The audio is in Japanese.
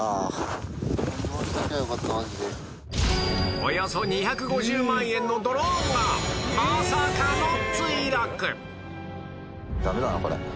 およそ２５０万円のドローンがまさかの墜落！